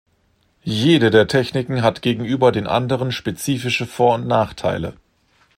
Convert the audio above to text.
Jede der Techniken hat gegenüber den anderen spezifische Vor- und Nachteile.